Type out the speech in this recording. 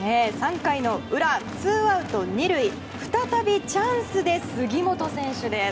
３回の裏、ツーアウト２塁再びチャンスで杉本選手です。